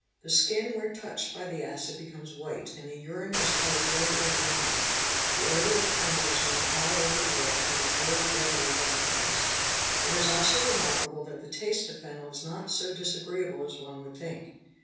The skin where touched by the acid becomes white and the urine is coloured red or green. The odour of phenyl is known all over the world and is very readily recognised. It is also remarkable that the taste of phenyl] is not so disagreeable as one would think.